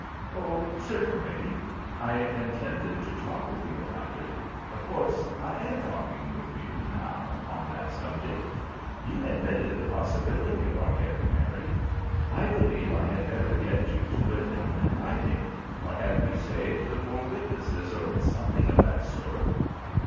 "Oh, certainly! I intended to talk with you about it. Of course I am talking with you now on that subject. You admitted the possibility of our getting married. I believe I had better get you to put it down in writing, or have you say it before witnesses, or something of that sort."